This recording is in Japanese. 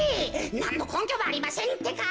なんのこんきょもありませんってか。